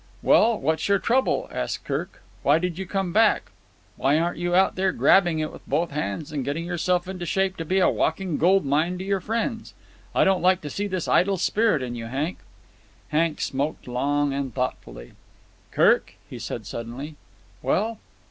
"Well, what's your trouble?" asked Kirk. "Why did you come back? Why aren't you out there grabbing it with both hands and getting yourself into shape to be a walking gold mine to your friends? I don't like to see this idle spirit in you, Hank." Hank smoked long and thoughtfully. "Kirk," he said suddenly. "Well?"